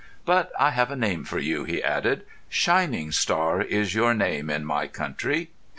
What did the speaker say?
"But I have a name for you," he added. "Shining Star is your name in my country."